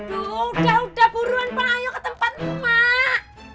aduh udah udah buruan pak ayo ke tempat emak